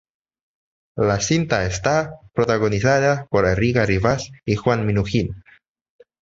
La cinta está protagonizada por Erica Rivas y Juan Minujín